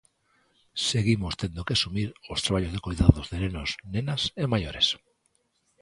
Seguimos tendo que asumir os traballos de coidados de nenos, nenas e maiores.